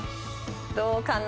どうかな？